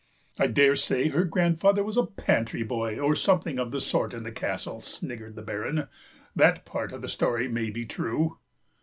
"I dare say her grandfather was a pantry boy or something of the sort in the castle," sniggered the Baron; "that part of the story may be true."